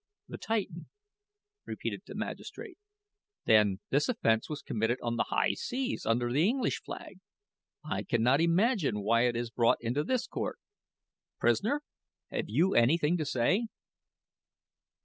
"The Titan," repeated the magistrate. "Then this offense was committed on the high seas under the English flag. I cannot imagine why it is brought into this court. Prisoner, have you anything to say?"